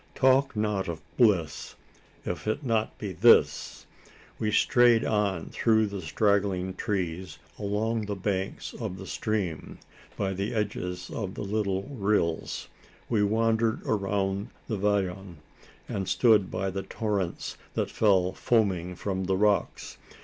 Talk not of bliss, if it be not this! We strayed on through the straggling trees, along the banks of the stream, by the edges of the little rills. We wandered around the vallon, and stood by the torrents that fell foaming from the rocks.